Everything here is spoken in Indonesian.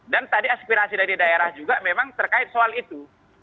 tadi aspirasi dari daerah juga memang terkait soal itu